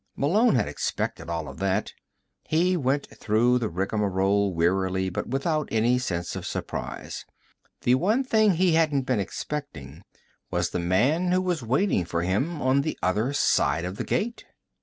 Malone had expected all of that. He went through the rigmarole wearily but without any sense of surprise. The one thing he hadn't been expecting was the man who was waiting for him on the other side of the gate.